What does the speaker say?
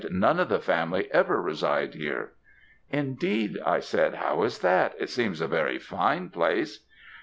'None of the family ever reside here.' "'Indeed!' I said; how is that? It seems a very fine place.'